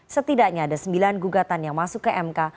setidaknya ada sembilan gugatan yang masuk ke mk